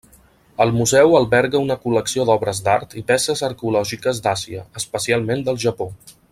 El museu alberga una col·lecció d'obres d'art i peces arqueològiques d'Àsia, especialment del Japó.